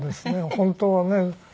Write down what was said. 本当はね